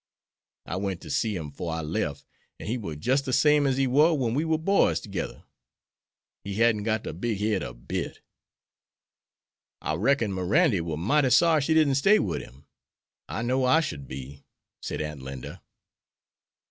I went to see him 'fore I lef, and he war jist de same as he war wen we war boys togedder. He hadn't got de big head a bit." "I reckon Mirandy war mighty sorry she didn't stay wid him. I know I should be," said Aunt Linda.